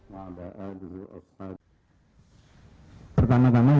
pertama tama yang berhasil